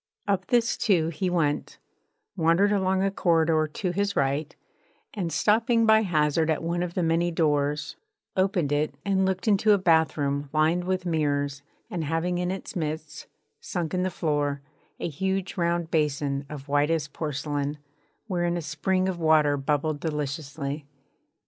Up this, too, he went; wandered along a corridor to his right, and, stopping by hazard at one of the many doors, opened it and looked into a bath room lined with mirrors and having in its midst, sunk in the floor, a huge round basin of whitest porcelain wherein a spring of water bubbled deliciously.